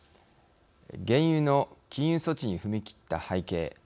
原油の禁輸措置に踏み切った背景